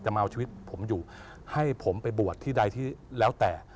มาเอาชีวิตผมอยู่ให้ผมไปบวชที่ใดที่แล้วแต่